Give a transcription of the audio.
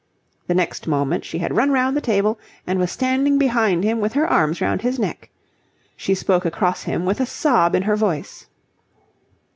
The next moment she had run round the table and was standing behind him with her arms round his neck. She spoke across him with a sob in her voice.